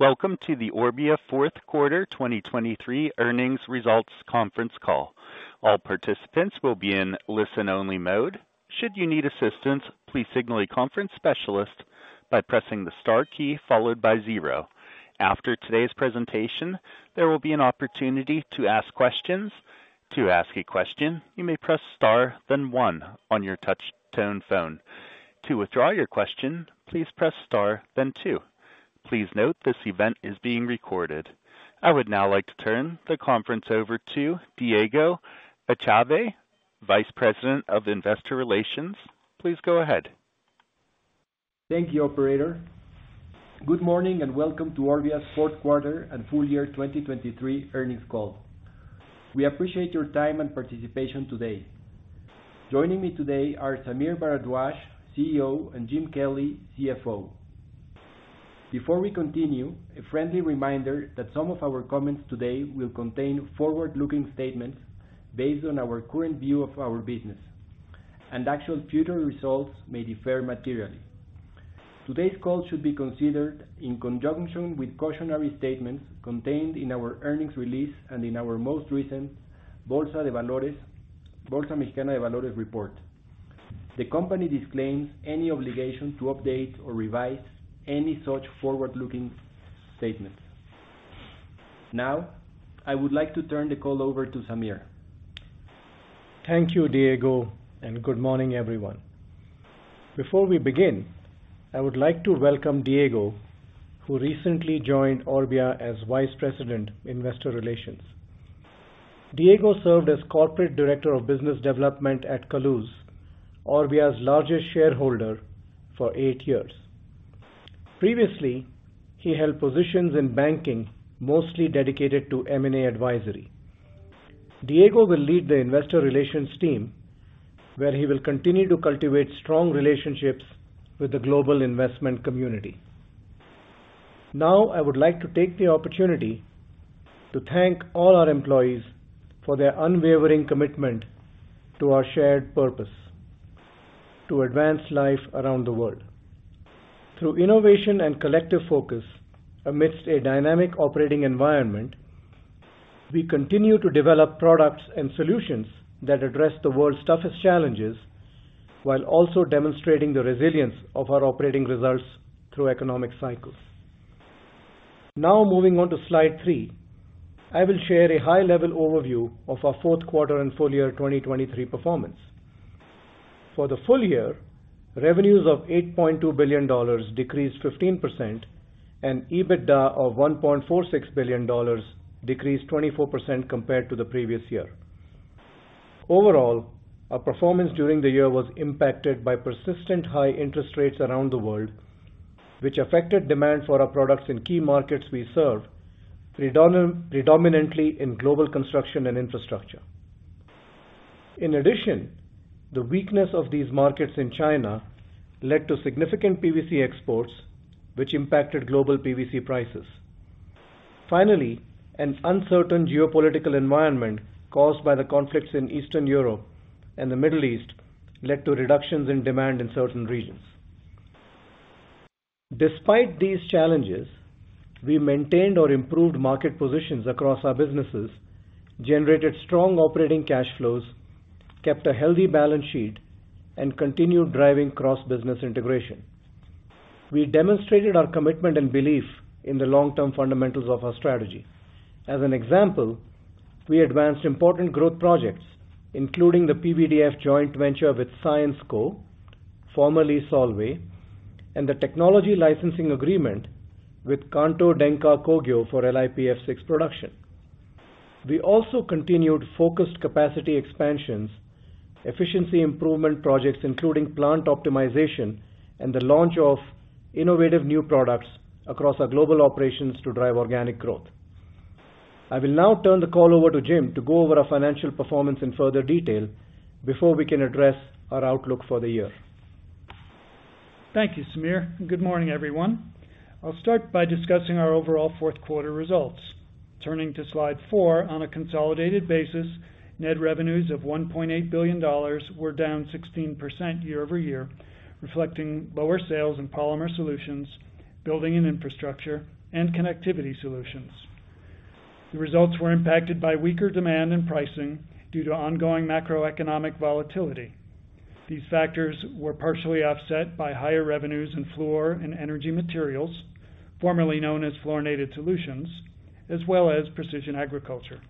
Welcome to the Orbia fourth quarter 2023 earnings results conference call. All participants will be in listen-only mode. Should you need assistance, please signal a conference specialist by pressing the star key followed by zero. After today's presentation, there will be an opportunity to ask questions. To ask a question, you may press star then one on your touch-tone phone. To withdraw your question, please press star then two. Please note this event is being recorded. I would now like to turn the conference over to Diego Echave, Vice President of Investor Relations. Please go ahead. Thank you, Operator. Good morning and welcome to Orbia's fourth quarter and full year 2023 earnings call. We appreciate your time and participation today. Joining me today are Sameer Bharadwaj, CEO, and Jim Kelly, CFO. Before we continue, a friendly reminder that some of our comments today will contain forward-looking statements based on our current view of our business, and actual future results may differ materially. Today's call should be considered in conjunction with cautionary statements contained in our earnings release and in our most recent Bolsa de Valores report. The company disclaims any obligation to update or revise any such forward-looking statements. Now, I would like to turn the call over to Sameer. Thank you, Diego, and good morning, everyone. Before we begin, I would like to welcome Diego, who recently joined Orbia as Vice President Investor Relations. Diego served as Corporate Director of Business Development at Kaluz, Orbia's largest shareholder, for eight years. Previously, he held positions in banking mostly dedicated to M&A advisory. Diego will lead the Investor Relations team, where he will continue to cultivate strong relationships with the global investment community. Now, I would like to take the opportunity to thank all our employees for their unwavering commitment to our shared purpose: to advance life around the world. Through innovation and collective focus amidst a dynamic operating environment, we continue to develop products and solutions that address the world's toughest challenges while also demonstrating the resilience of our operating results through economic cycles. Now moving on to slide three, I will share a high-level overview of our fourth quarter and full year 2023 performance. For the full year, revenues of $8.2 billion decreased 15%, and EBITDA of $1.46 billion decreased 24% compared to the previous year. Overall, our performance during the year was impacted by persistent high interest rates around the world, which affected demand for our products in key markets we serve, predominantly in global construction and infrastructure. In addition, the weakness of these markets in China led to significant PVC exports, which impacted global PVC prices. Finally, an uncertain geopolitical environment caused by the conflicts in Eastern Europe and the Middle East led to reductions in demand in certain regions. Despite these challenges, we maintained or improved market positions across our businesses, generated strong operating cash flows, kept a healthy balance sheet, and continued driving cross-business integration. We demonstrated our commitment and belief in the long-term fundamentals of our strategy. As an example, we advanced important growth projects, including the PVDF joint venture with Syensqo (formerly Solvay) and the technology licensing agreement with Kanto Denka Kogyo for LiPF6 production. We also continued focused capacity expansions, efficiency improvement projects including plant optimization, and the launch of innovative new products across our global operations to drive organic growth. I will now turn the call over to Jim to go over our financial performance in further detail before we can address our outlook for the year. Thank you, Sameer. Good morning, everyone. I'll start by discussing our overall fourth quarter results. Turning to slide four, on a consolidated basis, net revenues of $1.8 billion were down 16% year-over-year, reflecting lower sales in Polymer Solutions, Building and Infrastructure, and Connectivity Solutions. The results were impacted by weaker demand and pricing due to ongoing macroeconomic volatility. These factors were partially offset by higher revenues in Fluor & Energy Materials (formerly known as fluorinated solutions) as well as Precision Agriculture.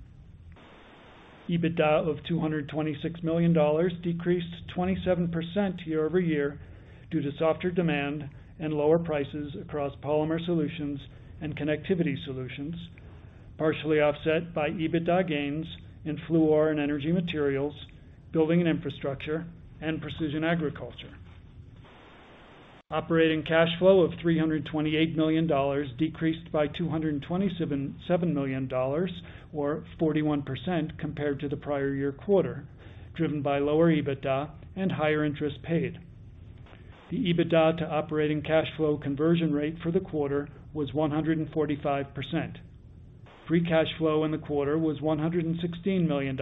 EBITDA of $226 million decreased 27% year-over-year due to softer demand and lower prices across Polymer Solutions and Connectivity Solutions, partially offset by EBITDA gains in Fluor & Energy Materials, Building and Infrastructure, and Precision Agriculture. Operating cash flow of $328 million decreased by $227 million or 41% compared to the prior year quarter, driven by lower EBITDA and higher interest paid. The EBITDA to operating cash flow conversion rate for the quarter was 145%. Free cash flow in the quarter was $116 million,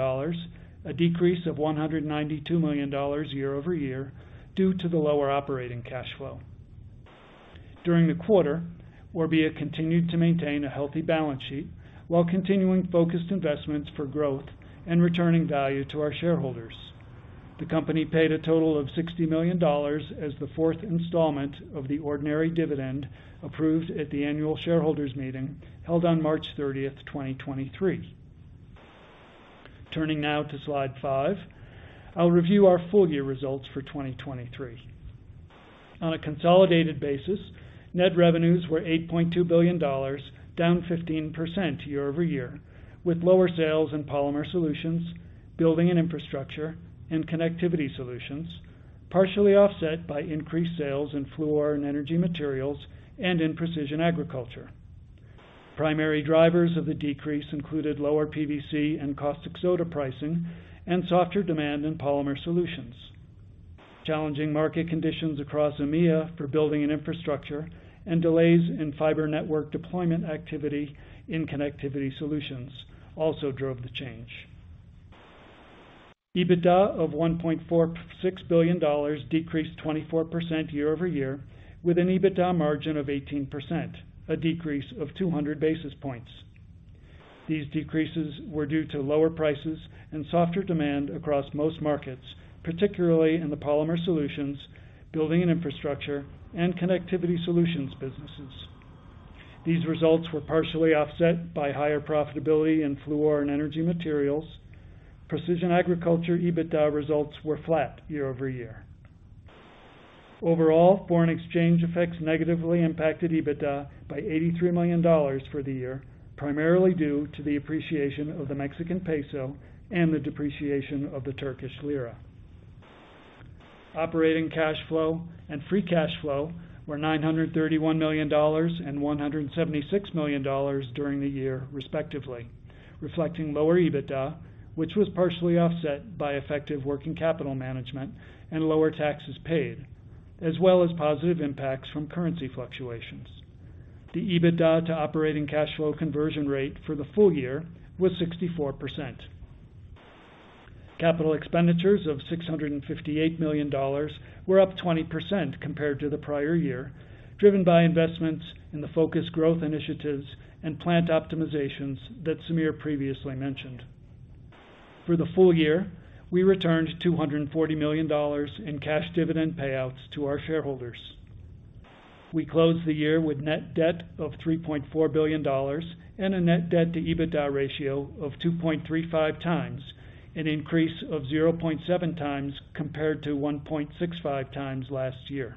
a decrease of $192 million year-over-year due to the lower operating cash flow. During the quarter, Orbia continued to maintain a healthy balance sheet while continuing focused investments for growth and returning value to our shareholders. The company paid a total of $60 million as the fourth installment of the ordinary dividend approved at the annual shareholders' meeting held on March 30, 2023. Turning now to slide five, I'll review our full year results for 2023. On a consolidated basis, net revenues were $8.2 billion, down 15% year-over-year, with lower sales in Polymer Solutions, Building and Infrastructure, and Connectivity Solutions, partially offset by increased sales in Fluor & Energy Materials and in Precision Agriculture. Primary drivers of the decrease included lower PVC and caustic soda pricing and softer demand in Polymer Solutions. Challenging market conditions across EMEA for Building and Infrastructure and delays in fiber network deployment activity in Connectivity Solutions also drove the change. EBITDA of $1.46 billion decreased 24% year-over-year, with an EBITDA margin of 18%, a decrease of 200 basis points. These decreases were due to lower prices and softer demand across most markets, particularly in the Polymer Solutions, Building and Infrastructure, and Connectivity Solutions businesses. These results were partially offset by higher profitability in Fluor & Energy Materials. Precision Agriculture EBITDA results were flat year-over-year. Overall, foreign exchange effects negatively impacted EBITDA by $83 million for the year, primarily due to the appreciation of the Mexican peso and the depreciation of the Turkish lira. Operating cash flow and free cash flow were $931 million and $176 million during the year, respectively, reflecting lower EBITDA, which was partially offset by effective working capital management and lower taxes paid, as well as positive impacts from currency fluctuations. The EBITDA to operating cash flow conversion rate for the full year was 64%. Capital expenditures of $658 million were up 20% compared to the prior year, driven by investments in the focused growth initiatives and plant optimizations that Sameer previously mentioned. For the full year, we returned $240 million in cash dividend payouts to our shareholders. We closed the year with net debt of $3.4 billion and a net debt to EBITDA ratio of 2.35x, an increase of 0.7x compared to 1.65x last year.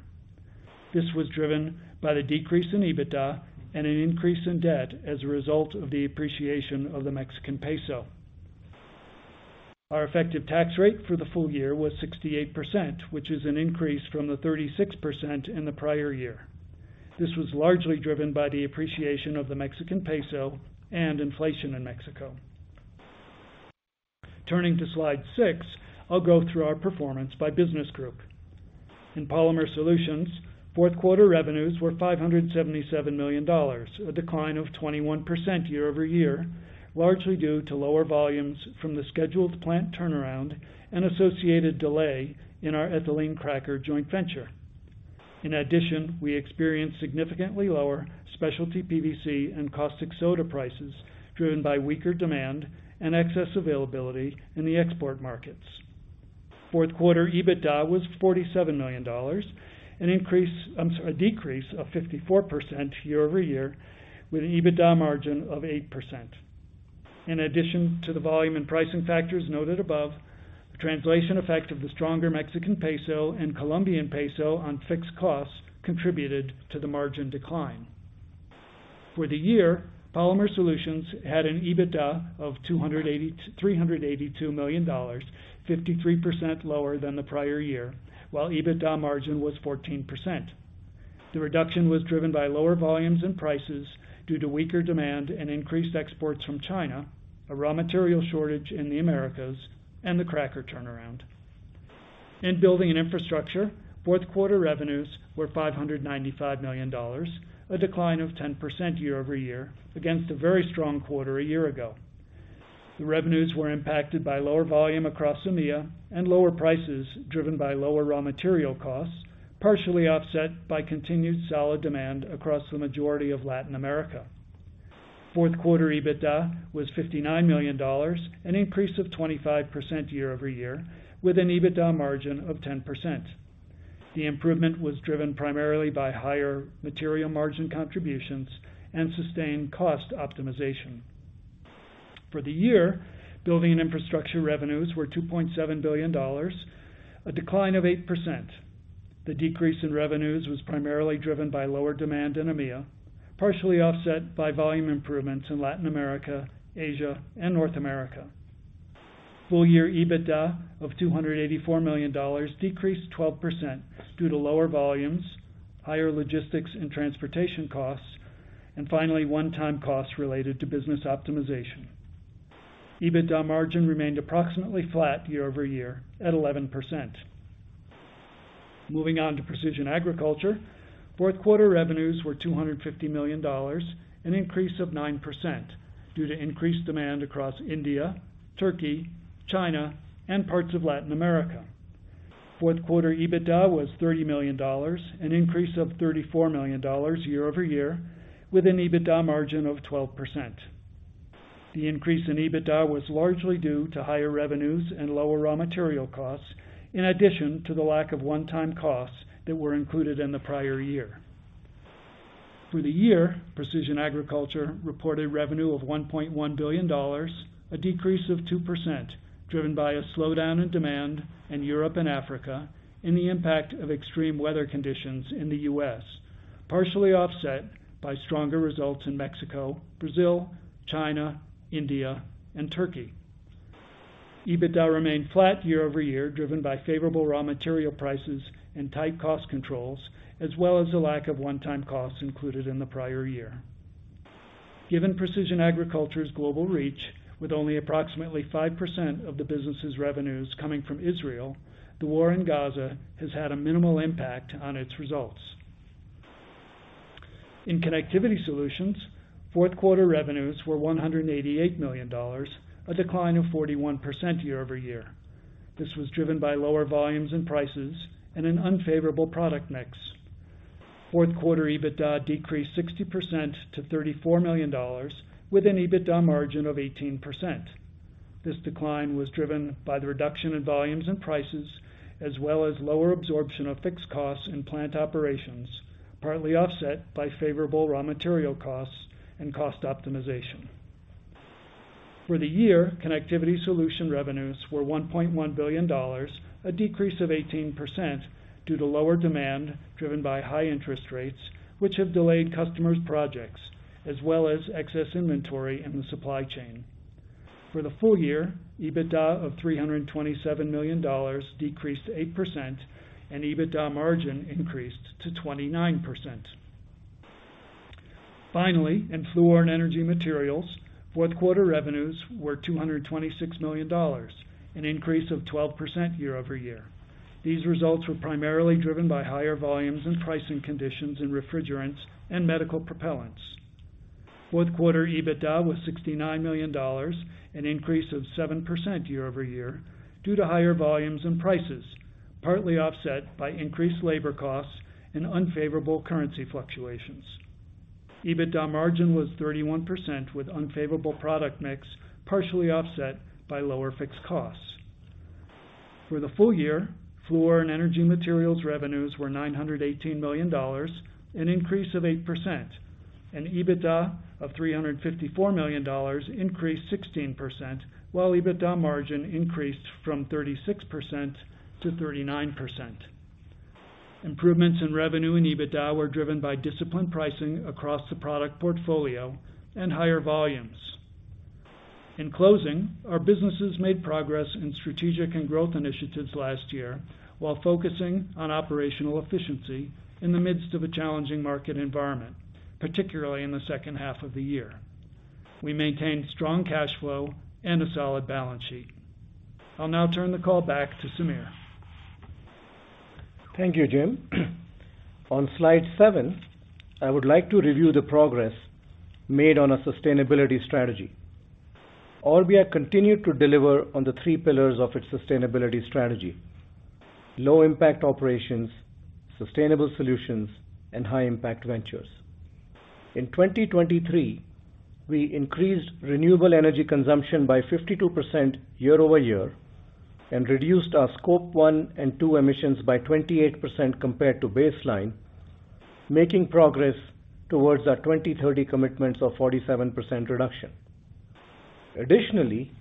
This was driven by the decrease in EBITDA and an increase in debt as a result of the appreciation of the Mexican peso. Our effective tax rate for the full year was 68%, which is an increase from the 36% in the prior year. This was largely driven by the appreciation of the Mexican peso and inflation in Mexico. Turning to slide six, I'll go through our performance by business group. In Polymer Solutions, fourth quarter revenues were $577 million, a decline of 21% year-over-year, largely due to lower volumes from the scheduled plant turnaround and associated delay in our ethylene cracker joint venture. In addition, we experienced significantly lower specialty PVC and caustic soda prices driven by weaker demand and excess availability in the export markets. Fourth quarter EBITDA was $47 million, an increase, I'm sorry, a decrease of 54% year-over-year, with an EBITDA margin of 8%. In addition to the volume and pricing factors noted above, the translation effect of the stronger Mexican peso and Colombian peso on fixed costs contributed to the margin decline. For the year, Polymer Solutions had an EBITDA of $282 million, 53% lower than the prior year, while EBITDA margin was 14%. The reduction was driven by lower volumes and prices due to weaker demand and increased exports from China, a raw material shortage in the Americas, and the cracker turnaround. In Building and Infrastructure, fourth quarter revenues were $595 million, a decline of 10% year-over-year against a very strong quarter a year ago. The revenues were impacted by lower volume across EMEA and lower prices driven by lower raw material costs, partially offset by continued solid demand across the majority of Latin America. Fourth quarter EBITDA was $59 million, an increase of 25% year-over-year, with an EBITDA margin of 10%. The improvement was driven primarily by higher material margin contributions and sustained cost optimization. For the year, Building and Infrastructure revenues were $2.7 billion, a decline of 8%. The decrease in revenues was primarily driven by lower demand in EMEA, partially offset by volume improvements in Latin America, Asia, and North America. Full year EBITDA of $284 million decreased 12% due to lower volumes, higher logistics and transportation costs, and finally one-time costs related to business optimization. EBITDA margin remained approximately flat year-over-year at 11%. Moving on to Precision Agriculture, fourth quarter revenues were $250 million, an increase of 9% due to increased demand across India, Turkey, China, and parts of Latin America. Fourth quarter EBITDA was $30 million, an increase of $34 million year over year, with an EBITDA margin of 12%. The increase in EBITDA was largely due to higher revenues and lower raw material costs, in addition to the lack of one-time costs that were included in the prior year. For the year, Precision Agriculture reported revenue of $1.1 billion, a decrease of 2% driven by a slowdown in demand in Europe and Africa and the impact of extreme weather conditions in the U.S., partially offset by stronger results in Mexico, Brazil, China, India, and Turkey. EBITDA remained flat year-over-year, driven by favorable raw material prices and tight cost controls, as well as a lack of one-time costs included in the prior year. Given Precision Agriculture's global reach, with only approximately 5% of the business's revenues coming from Israel, the war in Gaza has had a minimal impact on its results. In Connectivity Solutions, fourth quarter revenues were $188 million, a decline of 41% year-over-year. This was driven by lower volumes and prices and an unfavorable product mix. Fourth quarter EBITDA decreased 60% to $34 million, with an EBITDA margin of 18%. This decline was driven by the reduction in volumes and prices, as well as lower absorption of fixed costs in plant operations, partly offset by favorable raw material costs and cost optimization. For the year, Connectivity Solutions revenues were $1.1 billion, a decrease of 18% due to lower demand driven by high interest rates, which have delayed customers' projects, as well as excess inventory in the supply chain. For the full year, EBITDA of $327 million decreased 8%, and EBITDA margin increased to 29%. Finally, in Fluor & Energy Materials, fourth quarter revenues were $226 million, an increase of 12% year-over-year. These results were primarily driven by higher volumes and pricing conditions in refrigerants and medical propellants. Fourth quarter EBITDA was $69 million, an increase of 7% year-over-year, due to higher volumes and prices, partly offset by increased labor costs and unfavorable currency fluctuations. EBITDA margin was 31%, with unfavorable product mix partially offset by lower fixed costs. For the full year, Fluor & Energy Materials revenues were $918 million, an increase of 8%, and EBITDA of $354 million increased 16%, while EBITDA margin increased from 36% to 39%. Improvements in revenue and EBITDA were driven by disciplined pricing across the product portfolio and higher volumes. In closing, our businesses made progress in strategic and growth initiatives last year while focusing on operational efficiency in the midst of a challenging market environment, particularly in the second half of the year. We maintained strong cash flow and a solid balance sheet. I'll now turn the call back to Sameer. Thank you, Jim. On slide seven, I would like to review the progress made on a sustainability strategy. Orbia continued to deliver on the three pillars of its sustainability strategy: low-impact operations, sustainable solutions, and high-impact ventures. In 2023, we increased renewable energy consumption by 52% year-over-year and reduced our Scope 1 and 2 emissions by 28% compared to baseline, making progress towards our 2030 commitments of 47% reduction. Additionally,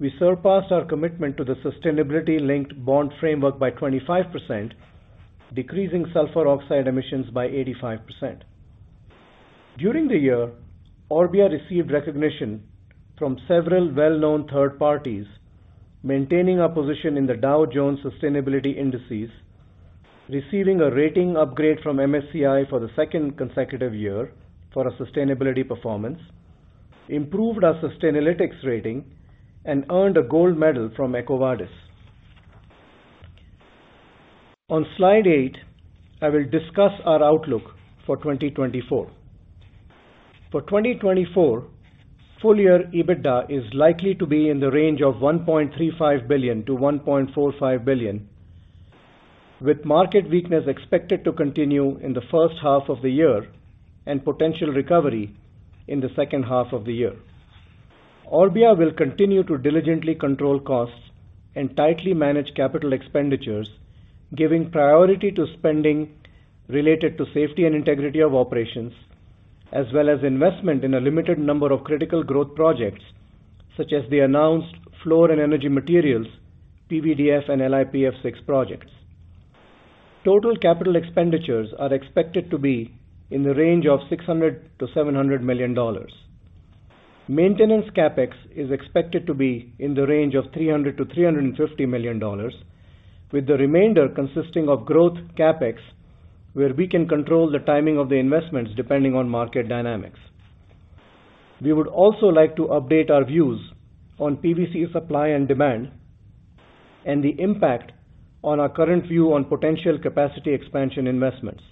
we surpassed our commitment to the sustainability-linked bond framework by 25%, decreasing sulfur oxide emissions by 85%. During the year, Orbia received recognition from several well-known third parties, maintaining our position in the Dow Jones Sustainability Indices, receiving a rating upgrade from MSCI for the second consecutive year for our sustainability performance, improved our Sustainalytics rating, and earned a gold medal from EcoVadis. On slide eight, I will discuss our outlook for 2024. For 2024, full year EBITDA is likely to be in the range of $1.35 billion-$1.45 billion, with market weakness expected to continue in the first half of the year and potential recovery in the second half of the year. Orbia will continue to diligently control costs and tightly manage capital expenditures, giving priority to spending related to safety and integrity of operations, as well as investment in a limited number of critical growth projects such as the announced Fluor & Energy Materials, PVDF, and LiPF6 projects. Total capital expenditures are expected to be in the range of $600-$700 million. Maintenance capex is expected to be in the range of $300-$350 million, with the remainder consisting of growth capex, where we can control the timing of the investments depending on market dynamics. We would also like to update our views on PVC supply and demand and the impact on our current view on potential capacity expansion investments.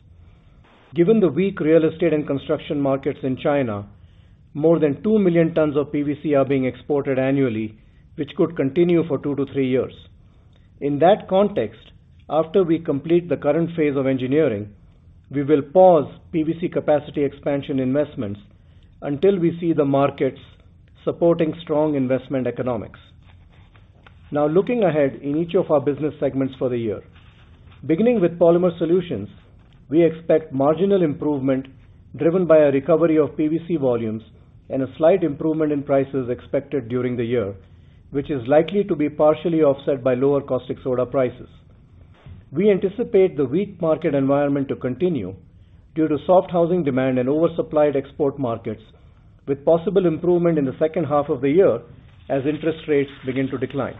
Given the weak real estate and construction markets in China, more than 2,000,000 tons of PVC are being exported annually, which could continue for two to three years. In that context, after we complete the current phase of engineering, we will pause PVC capacity expansion investments until we see the markets supporting strong investment economics. Now, looking ahead in each of our business segments for the year: beginning with Polymer Solutions, we expect marginal improvement driven by a recovery of PVC volumes and a slight improvement in prices expected during the year, which is likely to be partially offset by lower caustic soda prices. We anticipate the weak market environment to continue due to soft housing demand and oversupplied export markets, with possible improvement in the second half of the year as interest rates begin to decline.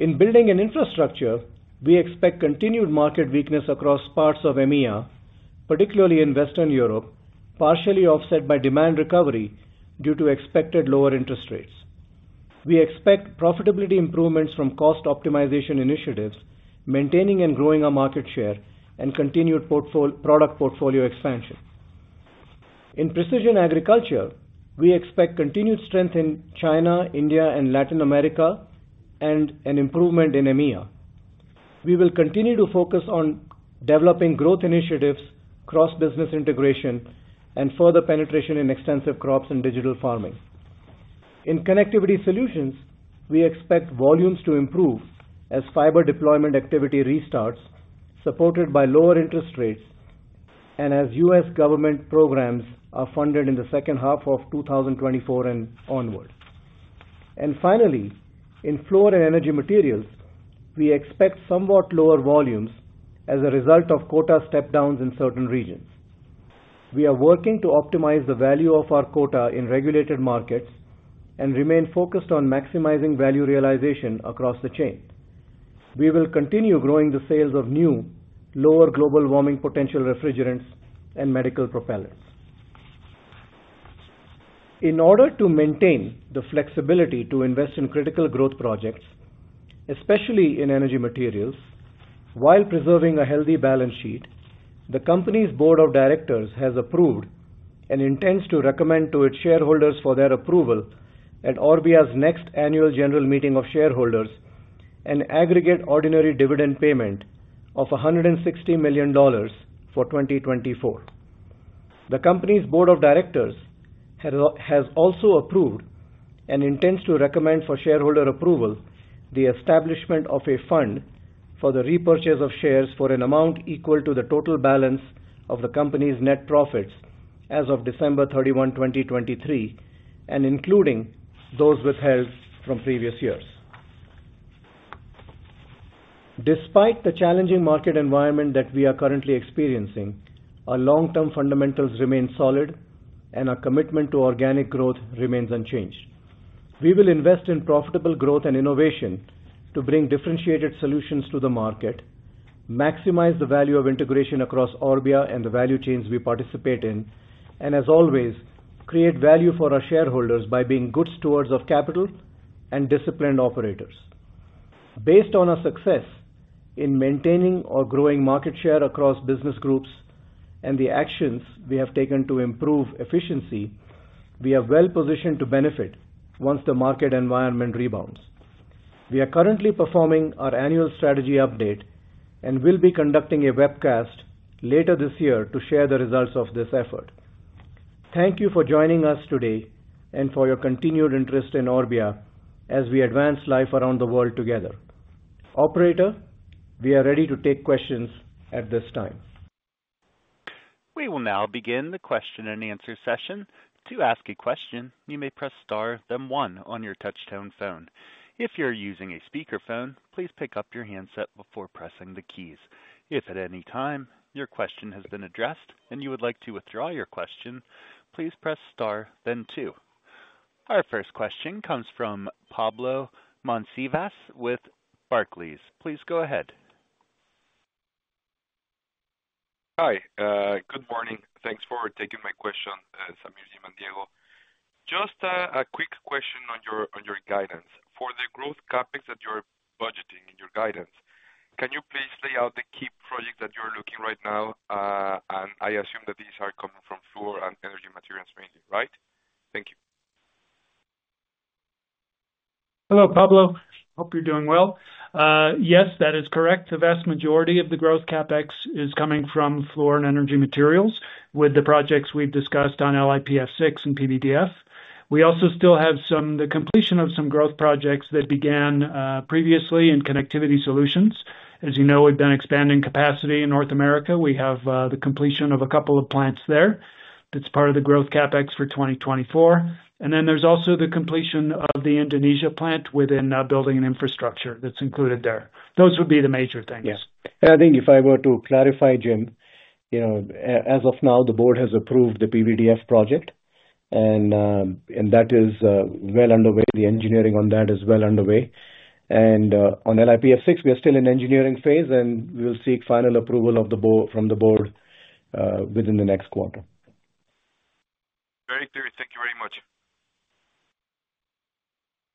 In Building & Infrastructure, we expect continued market weakness across parts of EMEA, particularly in Western Europe, partially offset by demand recovery due to expected lower interest rates. We expect profitability improvements from cost optimization initiatives, maintaining and growing our market share, and continued product portfolio expansion. In Precision Agriculture, we expect continued strength in China, India, and Latin America, and an improvement in EMEA. We will continue to focus on developing growth initiatives, cross-business integration, and further penetration in extensive crops and digital farming. In Connectivity Solutions, we expect volumes to improve as fiber deployment activity restarts, supported by lower interest rates, and as U.S. government programs are funded in the second half of 2024 and onward. Finally, in Fluor & Energy Materials, we expect somewhat lower volumes as a result of quota step-downs in certain regions. We are working to optimize the value of our quota in regulated markets and remain focused on maximizing value realization across the chain. We will continue growing the sales of new, lower global warming potential refrigerants and medical propellants. In order to maintain the flexibility to invest in critical growth projects, especially in Energy Materials, while preserving a healthy balance sheet, the company's board of directors has approved and intends to recommend to its shareholders for their approval at Orbia's next annual general meeting of shareholders an aggregate ordinary dividend payment of $160 million for 2024. The company's board of directors has also approved and intends to recommend for shareholder approval the establishment of a fund for the repurchase of shares for an amount equal to the total balance of the company's net profits as of December 31, 2023, and including those withheld from previous years. Despite the challenging market environment that we are currently experiencing, our long-term fundamentals remain solid, and our commitment to organic growth remains unchanged. We will invest in profitable growth and innovation to bring differentiated solutions to the market, maximize the value of integration across Orbia and the value chains we participate in, and, as always, create value for our shareholders by being good stewards of capital and disciplined operators. Based on our success in maintaining our growing market share across business groups and the actions we have taken to improve efficiency, we are well positioned to benefit once the market environment rebounds. We are currently performing our annual strategy update and will be conducting a webcast later this year to share the results of this effort. Thank you for joining us today and for your continued interest in Orbia as we advance life around the world together. Operator, we are ready to take questions at this time. We will now begin the question-and-answer session. To ask a question, you may press star, then one on your touch-tone phone. If you're using a speakerphone, please pick up your handset before pressing the keys. If at any time your question has been addressed and you would like to withdraw your question, please press star, then two. Our first question comes from Pablo Monsivais with Barclays. Please go ahead. Hi. Good morning. Thanks for taking my question, Sameer Bharadwaj. Just a quick question on your guidance. For the growth CapEx that you're budgeting in your guidance, can you please lay out the key projects that you're looking at right now? And I assume that these are coming from Fluor and Energy Materials mainly, right? Thank you. Hello, Pablo. Hope you're doing well. Yes, that is correct. The vast majority of the growth CapEx is coming from Fluor & Energy Materials, with the projects we've discussed on LiPF6 and PVDF. We also still have some the completion of some growth projects that began previously in Connectivity Solutions. As you know, we've been expanding capacity in North America. We have the completion of a couple of plants there. That's part of the growth CapEx for 2024. And then there's also the completion of the Indonesia plant within Building & Infrastructure that's included there. Those would be the major things. Yes. And I think if I were to clarify, Jim, as of now, the board has approved the PVDF project, and that is well underway. The engineering on that is well underway. And on LiPF6, we are still in engineering phase, and we will seek final approval from the board within the next quarter. Very clear. Thank you very much.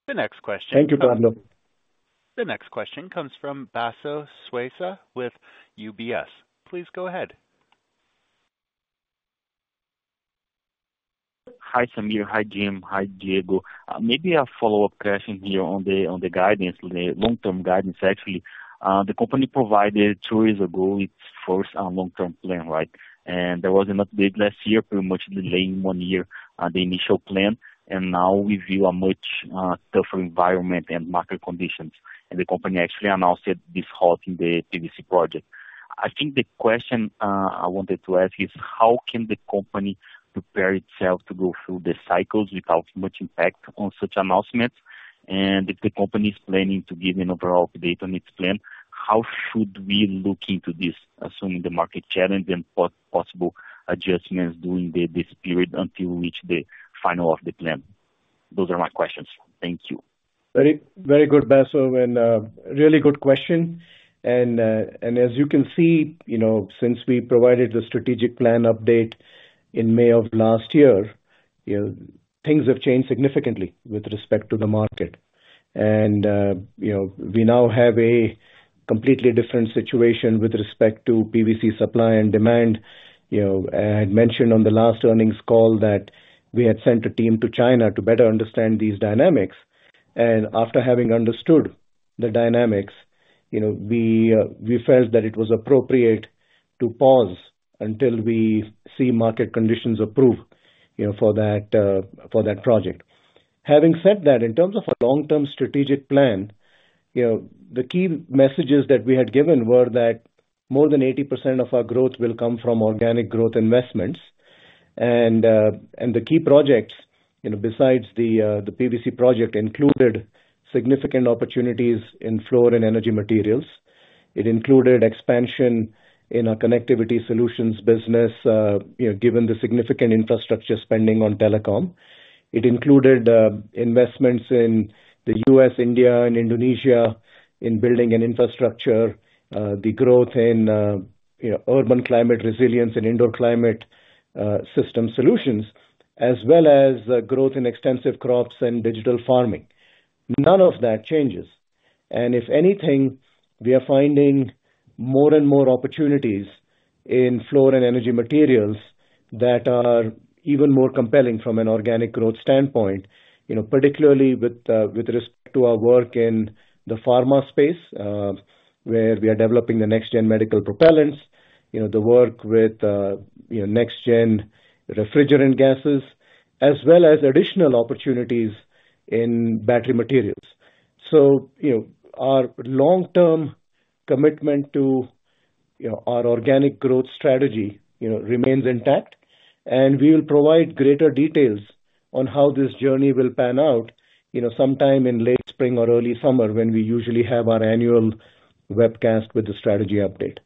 The next question. Thank you, Pablo. The next question comes from Tasso Vasconcellos with UBS. Please go ahead. Hi, Sameer. Hi, Jim. Hi, Diego. Maybe a follow-up question here on the guidance, the long-term guidance, actually. The company provided two years ago its first long-term plan, right? And there was an update last year, pretty much delaying one year the initial plan. And now we view a much tougher environment and market conditions. And the company actually announced the halt in the PVC project. I think the question I wanted to ask is, how can the company prepare itself to go through the cycles without much impact on such announcements? And if the company is planning to give an overall update on its plan, how should we look into this, assuming the market challenge and possible adjustments during this period until we reach the end of the plan? Those are my questions. Thank you. Very good, Tasso, and really good question. As you can see, since we provided the strategic plan update in May of last year, things have changed significantly with respect to the market. We now have a completely different situation with respect to PVC supply and demand. I had mentioned on the last earnings call that we had sent a team to China to better understand these dynamics. After having understood the dynamics, we felt that it was appropriate to pause until we see market conditions improve for that project. Having said that, in terms of a long-term strategic plan, the key messages that we had given were that more than 80% of our growth will come from organic growth investments. The key projects, besides the PVC project, included significant opportunities in Fluor & Energy Materials. It included expansion in our Connectivity Solutions business, given the significant infrastructure spending on telecom. It included investments in the U.S., India, and Indonesia in Building & Infrastructure, the growth in urban climate resilience and indoor climate system solutions, as well as growth in extensive crops and digital farming. None of that changes. And if anything, we are finding more and more opportunities in Fluor & Energy Materials that are even more compelling from an organic growth standpoint, particularly with respect to our work in the pharma space, where we are developing the next-gen medical propellants, the work with next-gen refrigerant gases, as well as additional opportunities in battery materials. So our long-term commitment to our organic growth strategy remains intact. We will provide greater details on how this journey will pan out sometime in late spring or early summer when we usually have our annual webcast with the strategy update.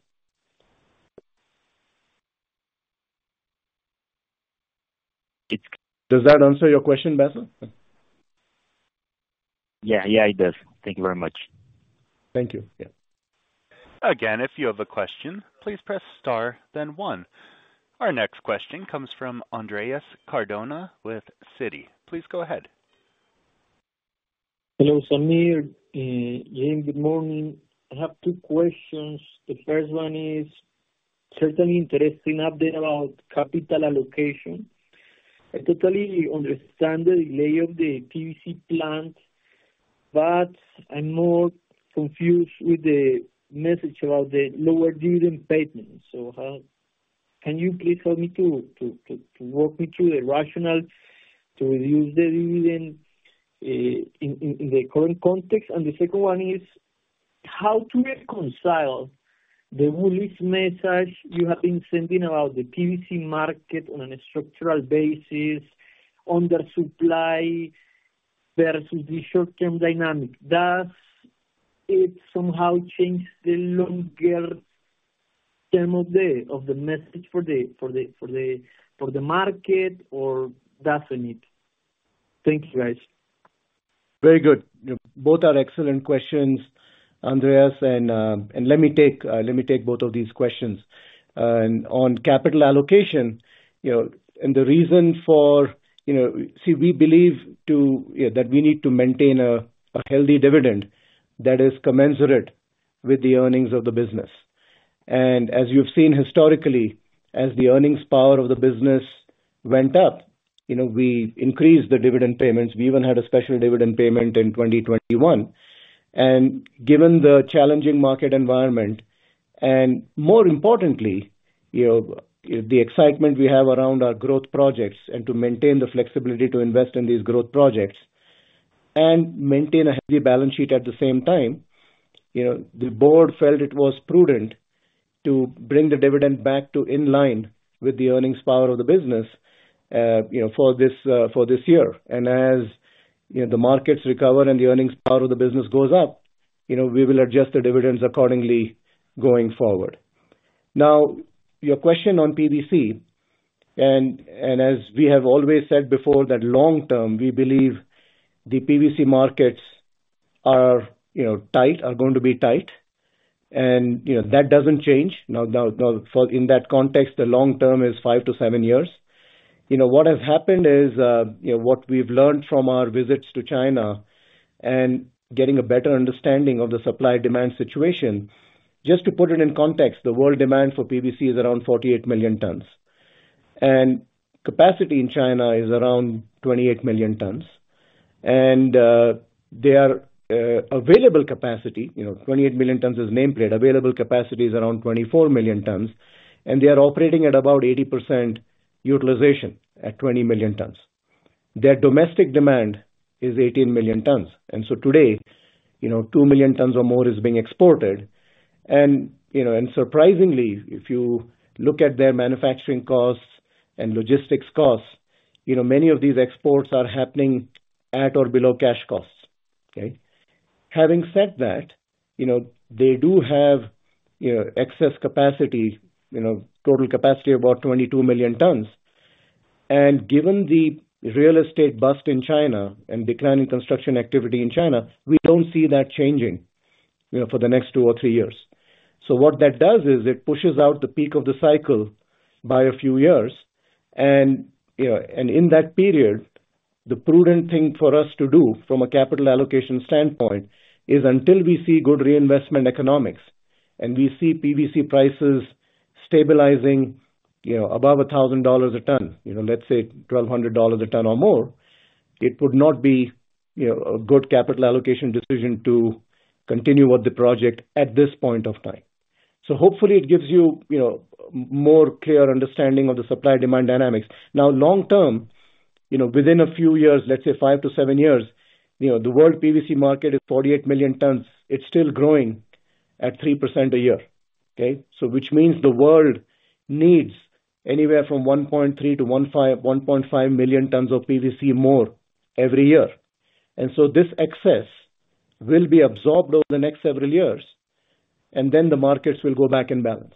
Does that answer your question, Tasso? Yeah. Yeah, it does. Thank you very much. Thank you. Yeah. Again, if you have a question, please press star, then one. Our next question comes from Andrés Cardona with Citi. Please go ahead. Hello, Sameer. Jim, good morning. I have two questions. The first one is certainly interesting update about capital allocation. I totally understand the delay of the PVC plant, but I'm more confused with the message about the lower dividend payment. So can you please help me to walk me through the rationale to reduce the dividend in the current context? And the second one is, how to reconcile the bullish message you have been sending about the PVC market on a structural basis, under supply, versus the short-term dynamic? Does it somehow change the longer term of the message for the market, or doesn't it? Thank you, guys. Very good. Both are excellent questions, Andrés. Let me take both of these questions. On capital allocation and the reason for see, we believe that we need to maintain a healthy dividend that is commensurate with the earnings of the business. As you've seen historically, as the earnings power of the business went up, we increased the dividend payments. We even had a special dividend payment in 2021. Given the challenging market environment and, more importantly, the excitement we have around our growth projects and to maintain the flexibility to invest in these growth projects and maintain a healthy balance sheet at the same time, the board felt it was prudent to bring the dividend back to in line with the earnings power of the business for this year. As the markets recover and the earnings power of the business goes up, we will adjust the dividends accordingly going forward. Now, your question on PVC, and as we have always said before, that long-term, we believe the PVC markets are tight, are going to be tight. And that doesn't change. Now, in that context, the long-term is 5-7 years. What has happened is what we've learned from our visits to China and getting a better understanding of the supply-demand situation, just to put it in context, the world demand for PVC is around 48 million tons. And capacity in China is around 28 million tons. And their available capacity, 28 million tons, is nameplate. Available capacity is around 24 million tons. And they are operating at about 80% utilization at 20 million tons. Their domestic demand is 18 million tons. And so today, 2 million tons or more is being exported. And surprisingly, if you look at their manufacturing costs and logistics costs, many of these exports are happening at or below cash costs, okay? Having said that, they do have excess capacity, total capacity of about 22 million tons. And given the real estate bust in China and declining construction activity in China, we don't see that changing for the next 2 or 3 years. So what that does is it pushes out the peak of the cycle by a few years. In that period, the prudent thing for us to do from a capital allocation standpoint is until we see good reinvestment economics and we see PVC prices stabilizing above $1,000 a ton, let's say $1,200 a ton or more, it would not be a good capital allocation decision to continue with the project at this point of time. So hopefully, it gives you more clear understanding of the supply-demand dynamics. Now, long-term, within a few years, let's say 5-7 years, the world PVC market is 48 million tons. It's still growing at 3% a year, okay? So which means the world needs anywhere from 1.3-1.5 million tons of PVC more every year. And so this excess will be absorbed over the next several years, and then the markets will go back in balance.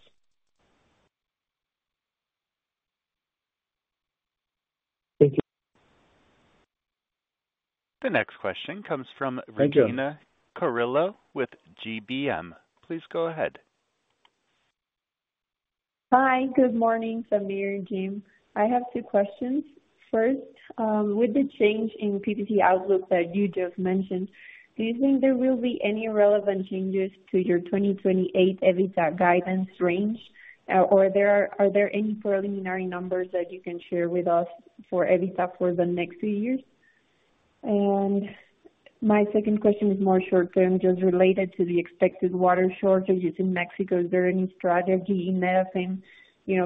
Thank you. The next question comes from Regina Carrillo with GBM. Please go ahead. Hi. Good morning, Sameer and Jim. I have two questions. First, with the change in PVC outlook that you just mentioned, do you think there will be any relevant changes to your 2028 EBITDA guidance range, or are there any preliminary numbers that you can share with us for EBITDA for the next few years? And my second question is more short-term, just related to the expected water shortages in Mexico. Is there any strategy in Netafim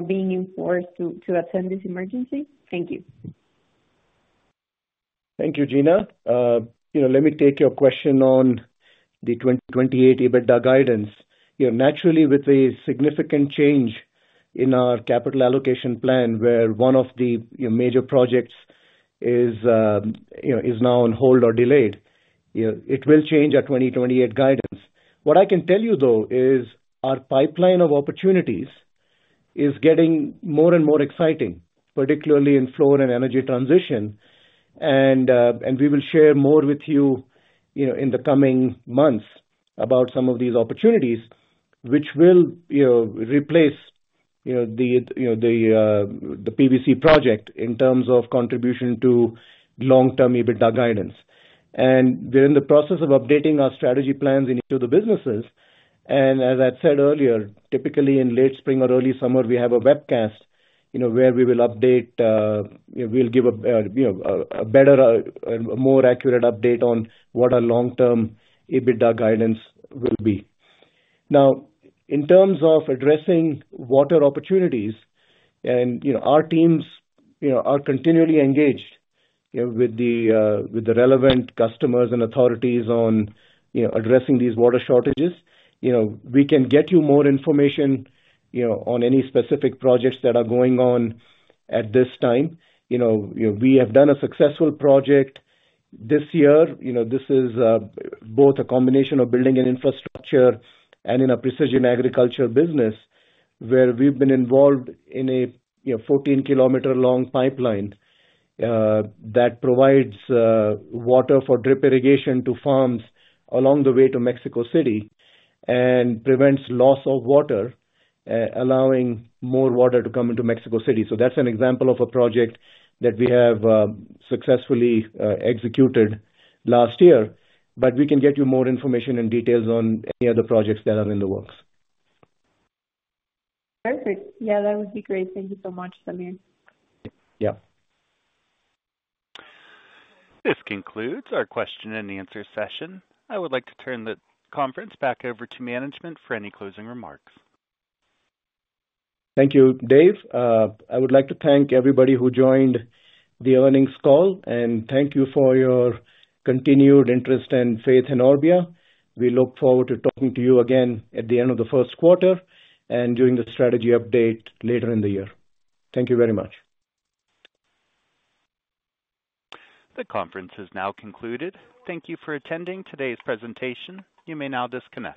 being enforced to attend this emergency? Thank you. Thank you, Gina. Let me take your question on the 2028 EBITDA guidance. Naturally, with a significant change in our capital allocation plan, where one of the major projects is now on hold or delayed, it will change our 2028 guidance. What I can tell you, though, is our pipeline of opportunities is getting more and more exciting, particularly in Fluor and Energy Materials. And we will share more with you in the coming months about some of these opportunities, which will replace the PVC project in terms of contribution to long-term EBITDA guidance. And we're in the process of updating our strategy plans in each of the businesses. And as I said earlier, typically in late spring or early summer, we have a webcast where we will update we'll give a better, more accurate update on what our long-term EBITDA guidance will be. Now, in terms of addressing water opportunities, and our teams are continually engaged with the relevant customers and authorities on addressing these water shortages, we can get you more information on any specific projects that are going on at this time. We have done a successful project this year. This is both a combination of building and infrastructure and in a precision agriculture business where we've been involved in a 14-kilometer-long pipeline that provides water for drip irrigation to farms along the way to Mexico City and prevents loss of water, allowing more water to come into Mexico City. So that's an example of a project that we have successfully executed last year. But we can get you more information and details on any other projects that are in the works. Perfect. Yeah, that would be great. Thank you so much, Sameer. Yeah. This concludes our question-and-answer session. I would like to turn the conference back over to management for any closing remarks. Thank you, Dave. I would like to thank everybody who joined the earnings call, and thank you for your continued interest and faith in Orbia. We look forward to talking to you again at the end of the first quarter and during the strategy update later in the year. Thank you very much. The conference has now concluded. Thank you for attending today's presentation. You may now disconnect.